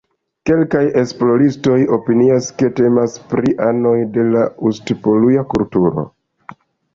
Kelkaj esploristoj opinias, ke temas pri anoj de la Ust-Poluja kulturo.